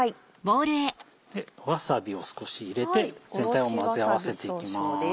わさびを少し入れて全体を混ぜ合わせていきます。